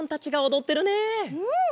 うん！